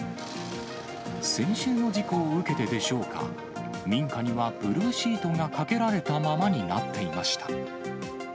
先週の事故を受けてでしょうか、民家にはブルーシートがかけられたままになっていました。